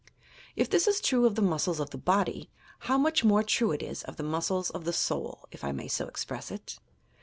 If this is true of the muscles of the body, how much more true is it of the "muscles of the soul," if I may ao express it.'